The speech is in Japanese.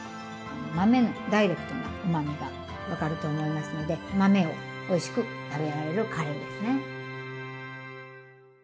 豆のダイレクトなうまみが分かると思いますので豆をおいしく食べられるカレーですね。